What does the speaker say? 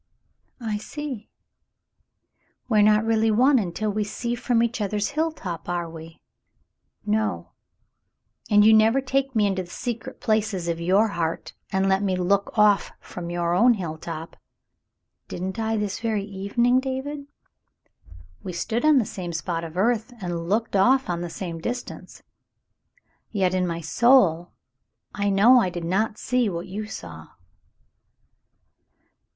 "I see. We're not really one until we see from each other's hilltop, are we ?" "No, and you never take me into the secret places of your heart and let me look off from your own hilltop." "Didn't I this very evening, David ?'* "We stood on the same spot of earth and looked off on the same distance, yet in my soul I know I did not see what you saw."